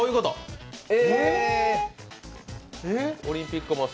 オリンピック？